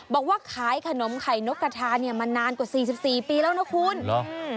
บอกว่าขายขนมไข่นกกระทาเนี่ยมานานกว่าสี่สิบสี่ปีแล้วนะคุณเหรอ